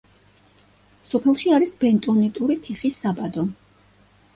სოფელში არის ბენტონიტური თიხის საბადო.